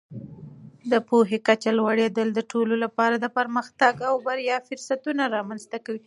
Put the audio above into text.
د پوهې کچه لوړېدل د ټولو لپاره د پرمختګ او بریا فرصتونه رامینځته کوي.